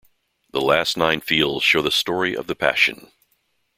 The last nine fields show the Story of the Passion.